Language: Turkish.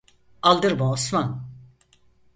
Aldırma Osman!